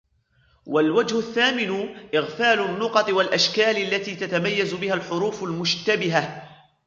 وَالْوَجْهُ الثَّامِنُ إغْفَالُ النُّقَطِ وَالْأَشْكَالِ الَّتِي تَتَمَيَّزُ بِهَا الْحُرُوفُ الْمُشْتَبِهَةُ